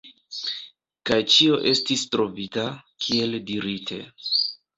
Kaj ĉio estis trovita, kiel dirite.